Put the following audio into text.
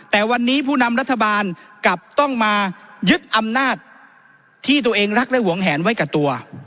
แต่วันนี้ผู้นำรัฐบาลกลับต้องมายึดอำนาจที่ตัวเองรักและหวงแหนไว้กับตัว